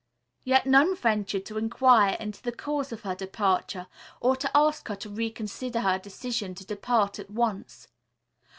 Yet none ventured to inquire into the cause of her departure, or to ask her to reconsider her decision to depart at once.